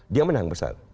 dia menang besar